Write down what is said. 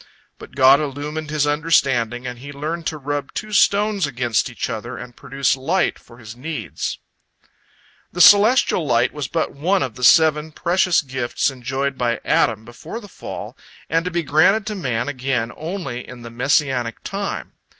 But God illumined his understanding, and he learned to rub two stones against each other and produce light for his needs. The celestial light was but one of the seven precious gifts enjoyed by Adam before the fall and to be granted to man again only in the Messianic time.